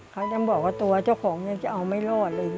เขายังบอกว่าตัวเจ้าของยังจะเอาไม่รอดเลย